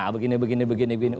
begini begini begini begini